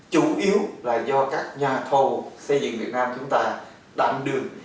chủ yếu là do các nhà thầu xây dựng việt nam chúng ta đảm đường